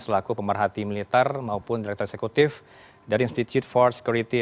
selaku pemerhati militer maupun direktur eksekutif dari institut for security and security